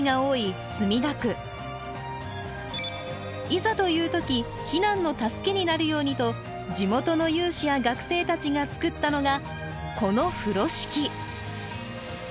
いざという時避難の助けになるようにと地元の有志や学生たちが作ったのがこの風呂敷。